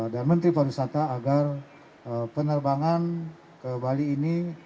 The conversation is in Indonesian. dan menteri perusahaan agar penerbangan ke bali ini